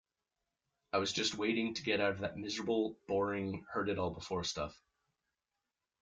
I was just waiting to get out of that miserable, boring, heard-it-all-before stuff.